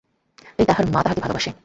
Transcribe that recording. এই তাহার মা তাহাকে ভালোবাসে!